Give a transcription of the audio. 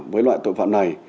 với loại tội phạm này